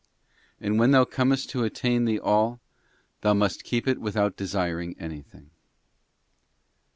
And when thou comest to attain the All, thou must keep it without desiring anything.